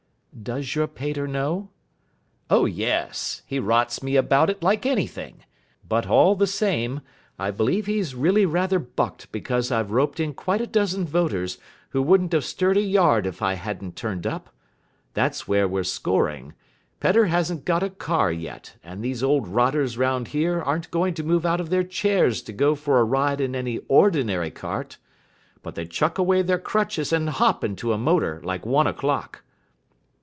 "Does your pater know?" "Oh, yes. He rots me about it like anything, but, all the same, I believe he's really rather bucked because I've roped in quite a dozen voters who wouldn't have stirred a yard if I hadn't turned up. That's where we're scoring. Pedder hasn't got a car yet, and these old rotters round here aren't going to move out of their chairs to go for a ride in an ordinary cart. But they chuck away their crutches and hop into a motor like one o'clock."